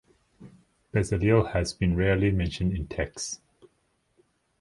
Bezaliel has been rarely mentioned in texts.